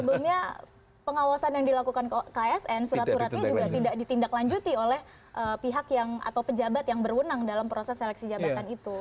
sebelumnya pengawasan yang dilakukan ksn surat suratnya juga tidak ditindaklanjuti oleh pihak yang atau pejabat yang berwenang dalam proses seleksi jabatan itu